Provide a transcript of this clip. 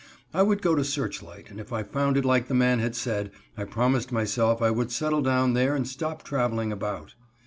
I would go to Searchlight, and if I found it like the man had said, I promised myself I would settle down there and stop traveling about.